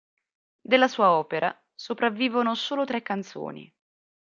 Della sua opera sopravvivono solo tre canzoni.